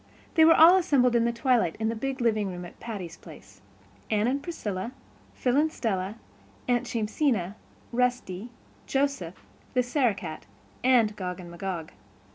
They were all assembled at twilight in the big living room at Patty's Place—Anne and Priscilla, Phil and Stella, Aunt Jamesina, Rusty, Joseph, the Sarah Cat, and Gog and Magog.